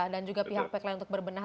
dan juga pihak pek lai untuk berbenah